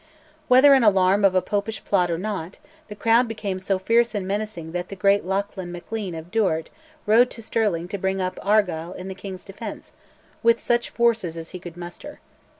Whether under an alarm of a Popish plot or not, the crowd became so fierce and menacing that the great Lachlan Maclean of Duart rode to Stirling to bring up Argyll in the king's defence with such forces as he could muster.